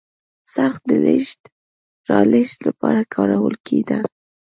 څرخ د لېږد رالېږد لپاره کارول کېده.